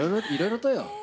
いろいろとよ。